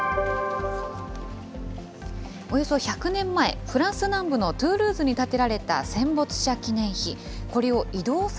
およそ１００年前、フランス南部のトゥールーズに建てられた戦没者記念碑。